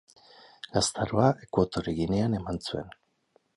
Gaztaroa Ekuatore Ginean eman zuen.